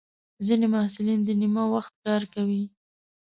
ځینې محصلین د نیمه وخت کار کوي.